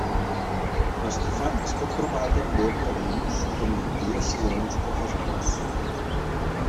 L'estofat es pot preparar també amb llegums, com llenties, cigrons o fesols.